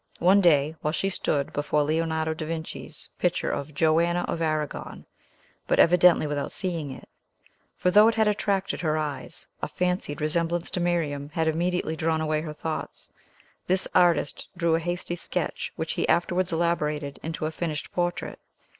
One day, while she stood before Leonardo da Vinci's picture of Joanna of Aragon, but evidently without seeing it, for, though it had attracted her eyes, a fancied resemblance to Miriam had immediately drawn away her thoughts, this artist drew a hasty sketch which he afterwards elaborated into a finished portrait.